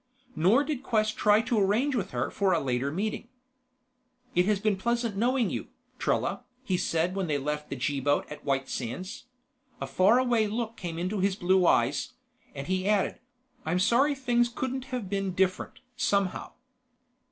Nor did Quest try to arrange with her for a later meeting. "It has been pleasant knowing you, Trella," he said when they left the G boat at White Sands. A faraway look came into his blue eyes, and he added: "I'm sorry things couldn't have been different, somehow."